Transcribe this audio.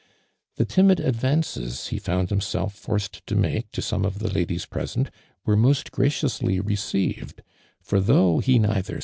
The timid ailvancos lie found himself forced to make to .some of the ladies pro.sont, wore most graciously recoivcfl, for thougiihe nei ther